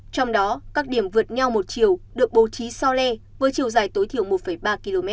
trong đó các điểm vượt nhau một chiều được bổ trí so le với chiều dài tối thiểu một ba km